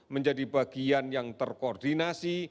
menjadi bagian yang terkoordinasi